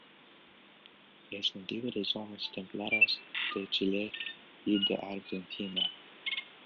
Es nativa de zonas templadas de Chile y de Argentina.